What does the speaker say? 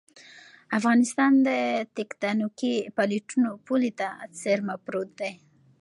افغانستان تکتونیکي پلیټو پولې ته څېرمه پروت دی